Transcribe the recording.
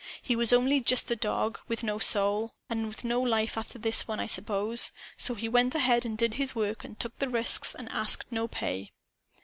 He was only just a dog with no soul, and with no life after this one, I s'pose. So he went ahead and did his work and took the risks, and asked no pay.